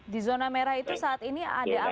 di zona merah itu saat ini ada apa